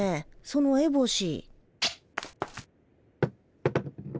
そのエボシ。